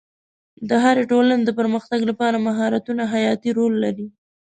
د هرې ټولنې د پرمختګ لپاره مهارتونه حیاتي رول لري.